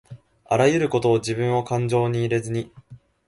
あらゆることをじぶんをかんじょうに入れずに